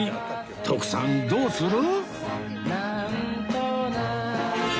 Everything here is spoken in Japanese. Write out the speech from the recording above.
徳さんどうする？